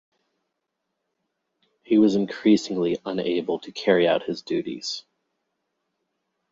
He was increasingly unable to carry out his duties.